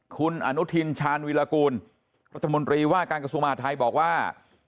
คุณอนุทินชาญวิรากูลรัฐมนตรีว่าการกระทรวงมหาทัยบอกว่า